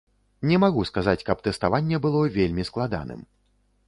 Не магу сказаць, каб тэставанне было вельмі складаным.